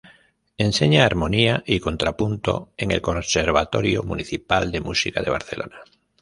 Enseña armonía y contrapunto en el Conservatorio Municipal de Música de Barcelona.